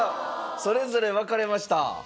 それぞれ分かれました。